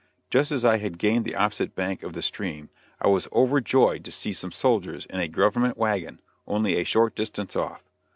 Just as I had gained the opposite bank of the stream I was overjoyed to see some soldiers in a government wagon, only a short distance off.